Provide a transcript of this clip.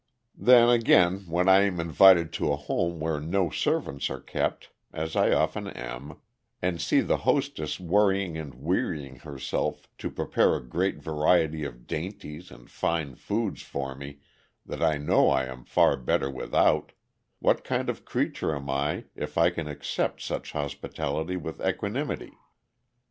Then, again, when I am invited to a home where no servants are kept (as I often am), and see the hostess worrying and wearying herself to prepare a great variety of "dainties" and "fine foods" for me that I know I am far better without, what kind of creature am I if I can accept such hospitality with equanimity?